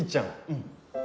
うん。